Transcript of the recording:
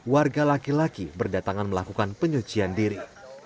warga laki laki berdatangan melakukan penyucian diri